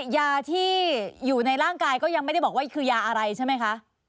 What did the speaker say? ยาที่อยู่ในร่างกายก็ยังไม่ได้บอกว่าคือยาอะไรใช่ไหมคะ